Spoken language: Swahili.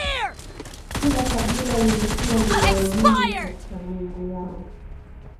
kila kabila lilikuwa linaamini katika miungu yao